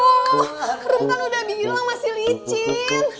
rum kan udah bilang masih licin